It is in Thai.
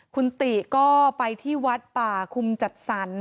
คุณติก็ไปที่วัดป่าคุมจัดสรร